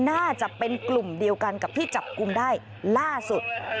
น่าจะเป็นกลุ่มเดียวกันกับที่จับกลุ่มได้ล่าสุด